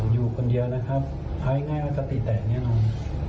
อยู่คนเดียวนะครับใช้ง่ายว่าสติแตกแน่นอน